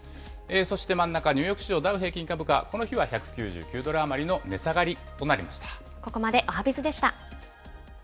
そして真ん中、ニューヨーク市場ダウ平均株価、この日は１９９ドル余りの値下がりとなりました。